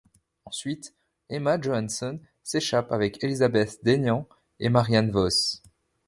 Ensuite, Emma Johansson s'échappe avec Elizabeth Deignan et Marianne Vos.